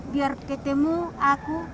biar ketemu aku